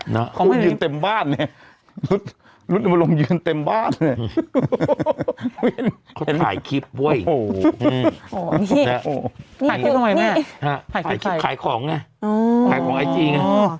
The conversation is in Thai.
นี่กมากนะข่ายคลิปของเนี่ย